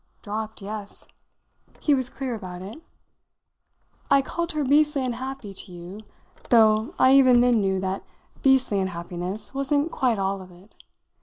"Dropped, yes." He was clear about it. "I called her beastly unhappy to you though I even then knew that beastly unhappiness wasn't quite all of it.